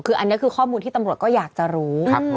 คืออันนี้คือข้อมูลที่ตำรวจก็อยากจะรู้